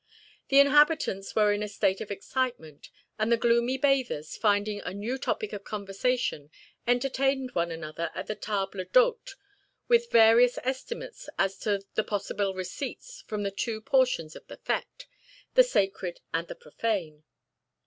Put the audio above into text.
The inhabitants were in a state of excitement, and the gloomy bathers, finding a new topic of conversation, entertained one another at the table d'hôte with various estimates as to the possible receipts from the two portions of the fête, the sacred and the profane.